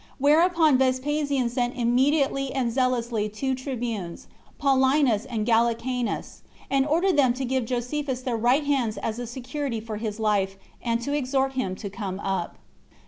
Whereupon Vespasian sent immediately and zealously two tribunes, Paulinus and Gallicanus, and ordered them to give Josephus their right hands as a security for his life, and to exhort him to come up.